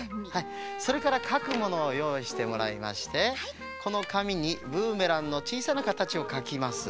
それからかくものをよういしてもらいましてこのかみにブーメランのちいさなかたちをかきます。